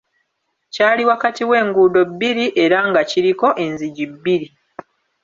Kyali wakati w'enguudo bbiri, era nga kiriko enzigi bbiri.